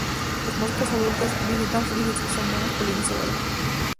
Las moscas adultas visitan flores y son buenos polinizadores.